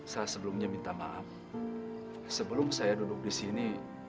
saya sebelumnya minta maaf sebelum saya duduk di sini